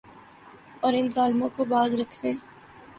اور ان ظالموں کو باز رکھنے